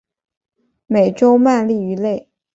美洲鳗鲡鱼类。